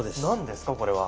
何ですか？